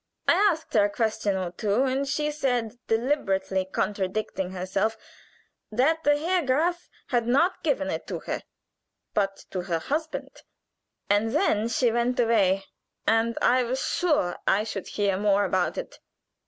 "I asked her a question or two, and she said, deliberately contradicting herself, that the Herr Graf had not given it to her, but to her husband, and then she went away, and I was sure I should hear more about it.